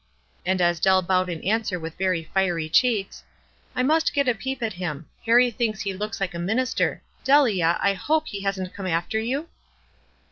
And as Dell bowed in an swer with very fiery cheeks, " I must get a peep at him. Harrie thinks he looks like a minister. Delia, I hope he hasn't come after you?"